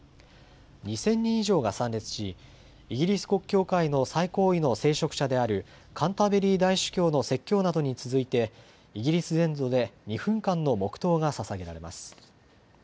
２０００人以上が参列し、イギリス国教会の最高位の聖職者であるカンタベリー大主教の説教などに続いて、イギリス全土で２分間の黙とうがささげられます。